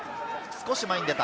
少し前に出た。